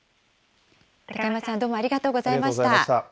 高山さん、どうもありがとうございました。